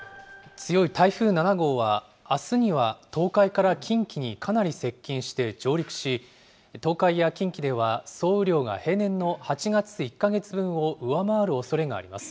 強い台風７号は、あすには東海から近畿にかなり接近して上陸し、東海や近畿では総雨量が平年の８月１か月分を上回るおそれがあります。